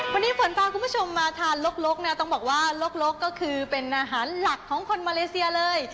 วันนี้ฝนพาคุณผู้ชมมาทานลกนะต้องบอกว่าลกก็คือเป็นอาหารหลักของคนมาเลเซียเลย